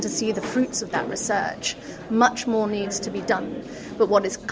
ada kecemasan dan kita mulai melihat bukti penelitian itu